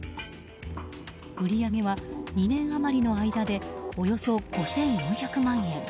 売り上げは２年余りの間でおよそ５４００万円。